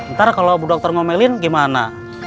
ntar kalau dokter ngomelin gimana